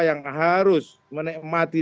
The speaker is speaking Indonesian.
yang harus menikmati